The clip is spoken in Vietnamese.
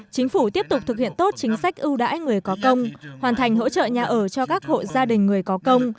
chính phủ tiếp tục thực hiện tốt chính sách ưu đãi người có công hoàn thành hỗ trợ nhà ở cho các hộ gia đình người có công